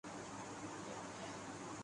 اختتام کی شروعات؟